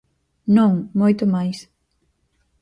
Non, moito máis.